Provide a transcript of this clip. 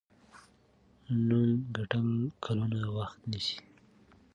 نوم ګټل کلونه وخت نیسي.